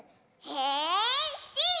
へんしん！